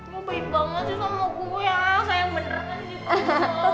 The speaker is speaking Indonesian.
lo baik banget sih sama gue sayang beneran sih